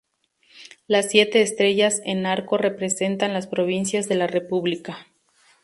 Las siete estrellas en arco representan las provincias de la República.